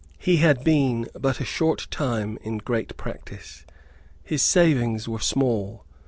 He had been but a short time in great practice. His savings were small.